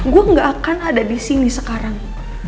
gue gak akan ada di sini sekarang